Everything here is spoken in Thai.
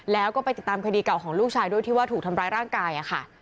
แล้วก็ไปติดตามคดีเก่าของลูกชายด้วยที่ว่าถูกทำร้ายร่างกายค่ะ